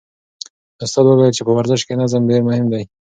استاد وویل چې په ورزش کې نظم ډېر مهم دی.